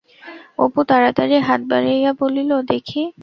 অপু তাড়াতাড়ি হাত বাড়াইয়া বলিল, দেখি।